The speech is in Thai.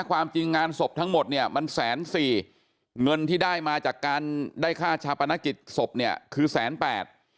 ความจริงงานศพทั้งหมดเนี่ยมันแสนสี่เงินที่ได้มาจากการได้ค่าชาปนกิจศพเนี่ยคือแสนแปด